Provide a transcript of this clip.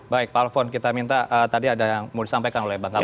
baik pak alfon kita minta tadi ada yang mau disampaikan oleh bang alvi